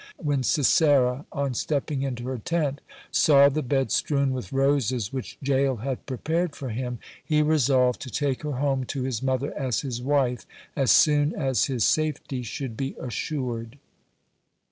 When Sisera, on stepping into her tent, saw the bed strewn with roses which Jael had prepared for him, he resolved to take her home to his mother as his wife, as soon as his safety should be assured.